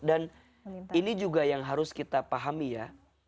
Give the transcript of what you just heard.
dan ini juga yang harus kita pahami ya